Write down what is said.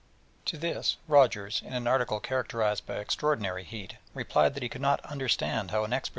To this Rogers, in an article characterised by extraordinary heat, replied that he could not understand how even a 'tyro'